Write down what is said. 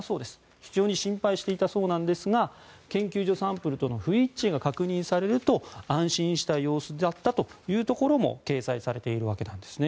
非常に心配していたそうですが研究所サンプルとの不一致が確認されると安心した様子だったということも掲載されているわけなんです。